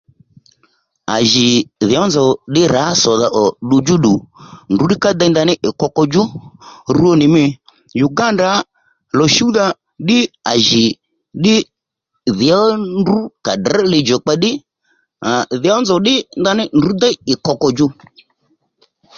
À jì dhì nzǒ nzò ddí rǎ sòdha ò ddudjú ddù ndrǔ ddí ka dey ddí ì koko djú rwonì mî Uganda lò-shúwdha ddí à jì ddí dhì ní ndrǔ à drř li djùkpa ddí dhì nzòw nzòw ddí ndrǔ déy ì koko djú